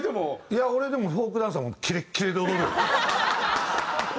いや俺でもフォークダンスはキレッキレで踊るよ。